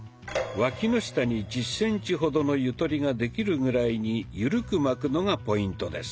わきの下に１０センチほどのゆとりができるぐらいにゆるく巻くのがポイントです。